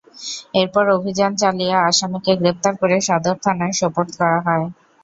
এরপর অভিযান চালিয়ে আসামিকে গ্রেপ্তার করে সদর থানায় সোপর্দ করা হয়।